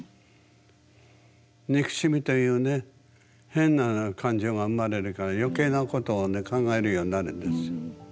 憎しみというね変な感情が生まれるから余計なことを考えるようになるんです。